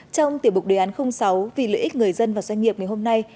trong tiệm bục đề án sáu vì lợi ích người dân và doanh nghiệp ngày hôm nay